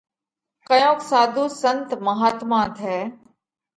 ڪيونڪ ساڌُو سنت مهاتما ٿئه